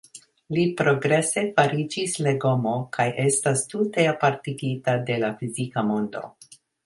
Li progrese fariĝas legomo, kaj estas tute apartigita de la fizika mondo.